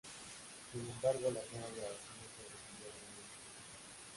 Sin embargo, las nuevas grabaciones sobrevivieron al incidente.